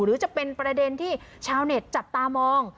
หรือจะเป็นประเด็นที่ชาวเน็ตจับตามอง